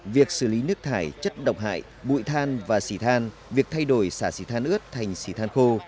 việc xử lý nước thải chất độc hại bụi than và xỉ than việc thay đổi xả than ướt thành xỉ than khô